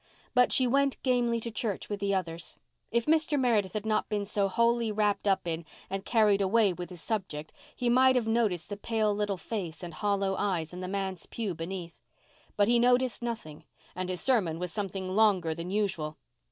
But she went gamely to church with the others. If Mr. Meredith had not been so wholly wrapped up in and carried away with his subject he might have noticed the pale little face and hollow eyes in the manse pew beneath. But he noticed nothing and his sermon was something longer than usual.